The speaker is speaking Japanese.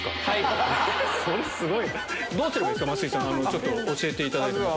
ちょっと教えていただいて。